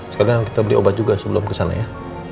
sekarang kita beli obat juga sebelum kesana ya